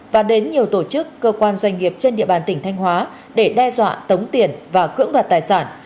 và đến nhiều tổ chức cơ quan doanh nghiệp trên địa bàn tỉnh thanh hóa để đe dọa tống tiền và cưỡng đoạt tài sản